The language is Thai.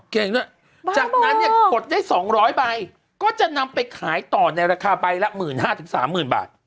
เก่งด้วยจากนั้นเนี่ยกดได้๒๐๐ใบก็จะนำไปขายต่อในราคาใบละ๑๕๐๐๓๐๐๐บาท